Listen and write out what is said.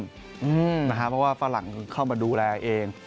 เพราะว่าฝรั่งเข้ามาดูแลเอง